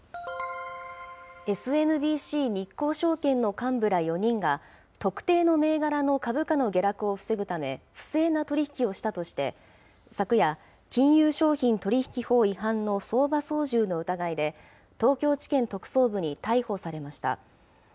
ＳＭＢＣ日興証券の幹部ら４人が、特定の銘柄の株価の下落を防ぐため、不正な取り引きをしたとして、昨夜、金融商品取引法違反の相場操縦の疑いで、東京地検特捜部に逮捕されました。